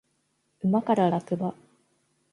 馬から落馬